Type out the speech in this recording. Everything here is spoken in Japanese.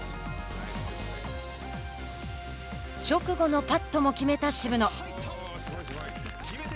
直後のパットも決めた渋野。